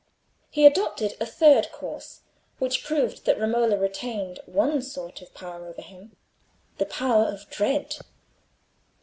He adopted a third course, which proved that Romola retained one sort of power over him—the power of dread.